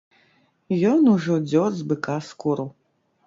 Ён ужо дзёр з быка скуру.